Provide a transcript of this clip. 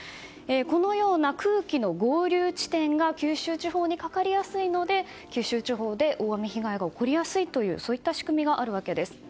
このような空気の合流地点が九州地方にかかりやすいので九州地方で大雨被害が起こりやすいという仕組みがあるわけです。